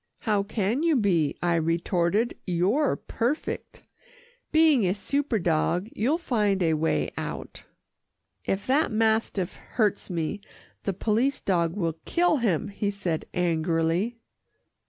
"How can you be," I retorted, "you're perfect being a super dog, you'll find a way out." "If that mastiff hurts me, the police dog will kill him," he said angrily.